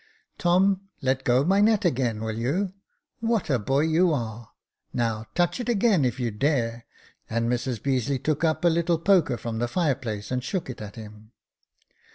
" Tom, let go my net again, will you } What a boy you are ! Now touch it again if you dare," and Mrs Beazeley took up a little poker from the fire place and shook it at him.